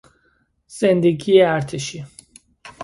زندگی ارتشی